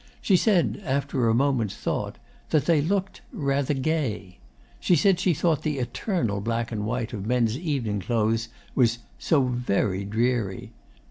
She said, after a moment's thought, that they looked "rather gay." She said she thought the eternal black and white of men's evening clothes was "so very dreary."